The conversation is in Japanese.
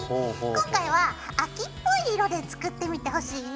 今回は秋っぽい色で作ってみてほしいな。